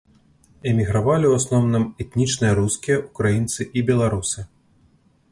Эмігравалі ў асноўным этнічныя рускія, украінцы і беларусы.